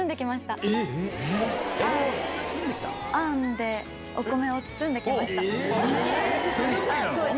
あんで、お米を包んできまし本当に？